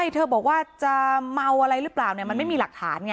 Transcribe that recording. เธอบอกว่าจะเมาอะไรหรือเปล่ามันไม่มีหลักฐานไง